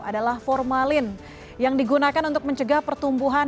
adalah formalin yang digunakan untuk mencegah pertumbuhan